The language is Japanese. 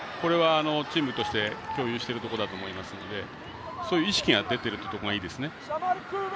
チームとして共有していると思いますのでそういう意識が出ているところがいいですね。